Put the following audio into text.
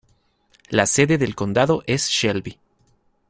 La sede del condado es Shelby.